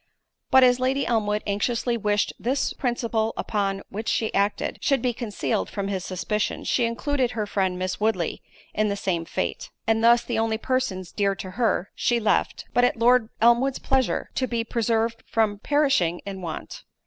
But as Lady Elmwood anxiously wished this principle upon which she acted, should be concealed from his suspicion, she included her friend, Miss Woodley, in the same fate; and thus, the only persons dear to her, she left, but at Lord Elmwood's pleasure, to be preserved from perishing in want.